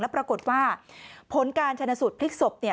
แล้วปรากฏว่าปนการชนสุดทิ้งศพ